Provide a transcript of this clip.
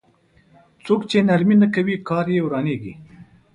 څوک چې نرمي نه کوي کار يې ورانېږي.